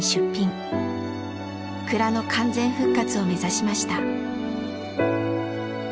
蔵の完全復活を目指しました。